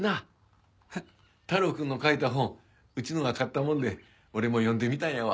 太郎くんの書いた本うちのが買ったもんで俺も読んでみたんやわ。